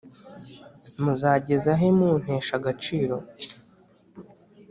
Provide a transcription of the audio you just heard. Muzageza he muntesha agaciro?